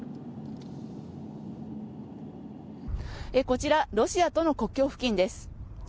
こちら、ロシアとの国境付近です。